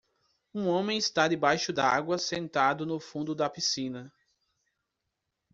um homem está debaixo d'água sentado no fundo da piscina